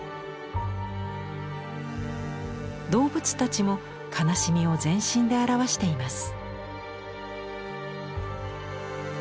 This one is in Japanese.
動物たちも悲しみを全身で表しています。